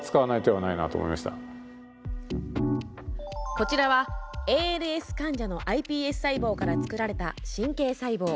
こちらは、ＡＬＳ患者のｉＰＳ細胞から作られた神経細胞。